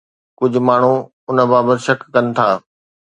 ڪجهه ماڻهو ان بابت شڪ ڪن ٿا.